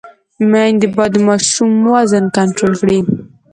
میندې باید د ماشوم وزن کنټرول کړي۔